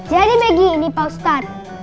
jadi maggie ini paustat